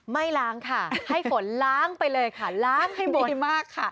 ไม่ล้างค่ะให้ฝนล้างไปเลยค่ะล้างให้หมด